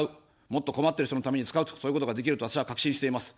もっと困ってる人のために使うと、そういうことができると私は確信しています。